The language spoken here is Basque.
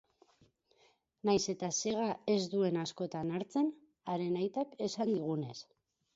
Nahiz eta sega ez duen askotan hartzen, haren aitak esan digunez.